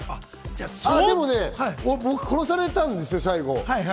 でも僕、殺されたんですよ、最後。